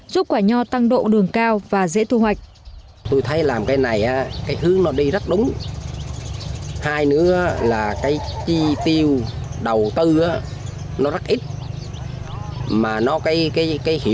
giúp quả nho tăng độ đường cao và dễ thu hoạch